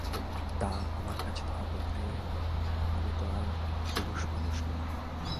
তা, আমার কাছে ধরা পড়তেই হবে, আমি তো আর পুরুষমানুষ নই।